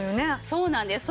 そうなんです。